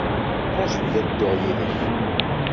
Raju-yi ad dduɣ yid-k.